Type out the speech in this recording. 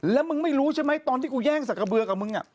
แล้วมึงไม่รู้ใช่ไหมตอนที่กูแย่งสักกระเบือกับมึง